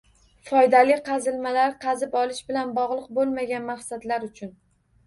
Foydali qazilmalar qazib olish bilan bog’liq bo’lmagan maqsadlar uchun